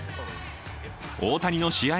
大谷の試合